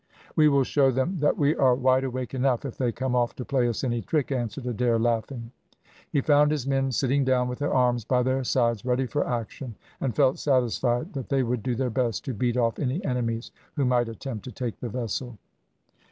"We will show them that we are wide awake enough if they come off to play us any trick," answered Adair, laughing. He found his men sitting down with their arms by their sides ready for action, and felt satisfied that they would do their best to beat off any enemies who might attempt to take the vessel.